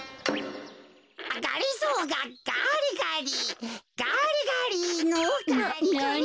がりぞーがガリガリガリガリのガリガリ。